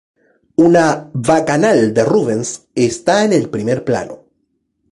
Una "Bacanal" de Rubens está en el primer plano.